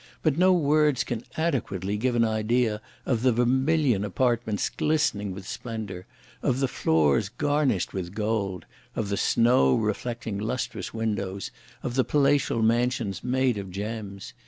But no words can adequately give an idea of the vermilion apartments glistening with splendour, of the floors garnished with gold, of the snow reflecting lustrous windows, of the palatial mansions made of gems.